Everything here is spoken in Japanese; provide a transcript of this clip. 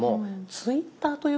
ツイッター。